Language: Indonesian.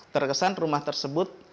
terkesan rumah tersebut